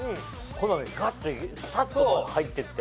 ガッとサッと入っていって。